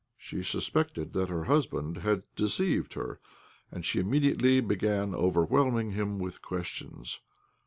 She suspected that her husband had deceived her, and she immediately began overwhelming him with questions.